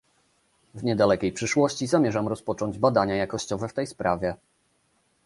W niedalekiej przyszłości zamierzam rozpocząć badania jakościowe w tej sprawie